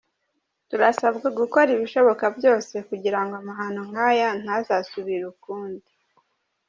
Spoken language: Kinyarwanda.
Turasabwa gukora ibishoboka byose kugira ngo amahano nk’aya ntazasubire ukundi.